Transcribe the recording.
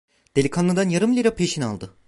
Delikanlıdan yarım lira peşin aldı.